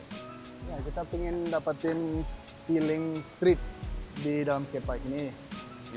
ya kita ingin dapatin feeling street di dalam skatepark ini